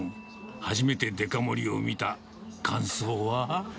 初めてデカ盛りを見た感想は？